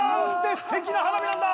すてきな花火なんだ！